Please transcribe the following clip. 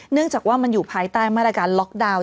เนื่องจากว่ามันอยู่ภายใต้มาตรการล็อกดาวน์